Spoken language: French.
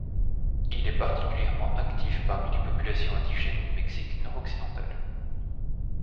Il est particulierement actif parmi les populations indigènes du Mexique nord-occidental.